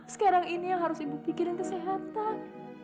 sekarang ini yang harus ibu pikirin kesehatan